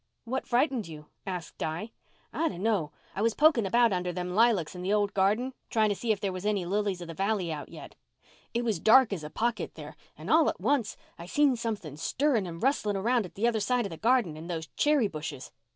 "What frightened you?" asked Di. "I dunno. I was poking about under them lilacs in the old garden, trying to see if there was any lilies of the valley out yet. It was dark as a pocket there—and all at once I seen something stirring and rustling round at the other side of the garden, in those cherry bushes.